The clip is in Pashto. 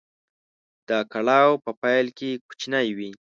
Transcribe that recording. دا کړاو په پيل کې کوچنی وي.